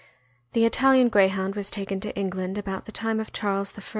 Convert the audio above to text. The Italian Greyhound was taken to England about the time of Charles I.